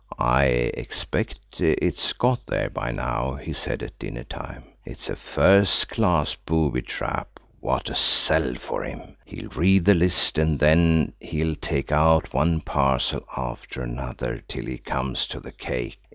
"I expect it's got there by now," he said at dinner time; "it's a first class booby trap; what a sell for him! He'll read the list and then he'll take out one parcel after another till he comes to the cake.